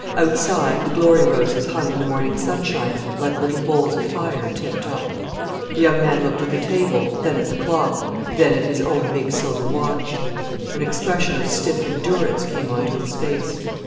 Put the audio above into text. Outside, the glory roses hung in the morning sunshine like little bowls of fire tipped up. The young man looked at the table, then at the clock, then at his own big silver watch. An expression of stiff endurance came on to his face.